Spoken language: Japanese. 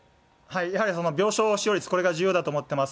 やはり病床使用率、これが重要だと思ってます。